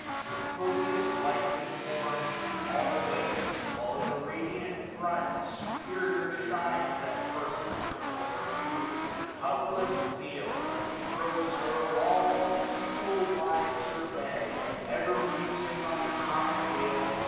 With copious life informed, and all awake ; While in the radiant front, superior shines That fir ft paternal virtue. Public Zeal; 1615 Who throws o*er all an equal wide survey ; And, ever musing on the common weal.